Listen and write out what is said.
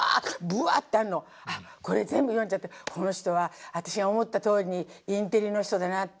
これ全部読んじゃってこの人は私が思ったとおりにインテリの人だなって。